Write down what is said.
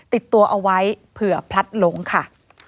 ติดตัวเอาไว้เผื่อพลัดหลงค่ะ